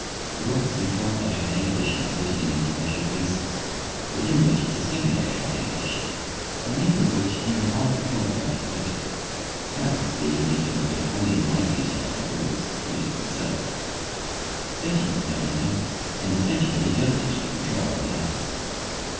The work was con trolled b}^ triangulation originating in measured bases, within which was a secondary triangulation, by means of which nearly all control points were located ; traverse being used to locate only minor details of roads, streams, etc. Sketching was done in note books, and the .sketching was adjusted to the control in the office.